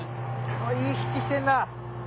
いい引きしてんな。